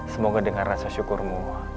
semoga dengan rasa syukurmu